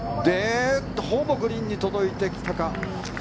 ほぼグリーンに届いてきたか。